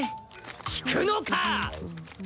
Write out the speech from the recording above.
引くのか！